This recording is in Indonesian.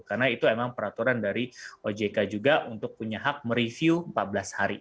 karena itu memang peraturan dari ojk juga untuk punya hak mereview empat belas hari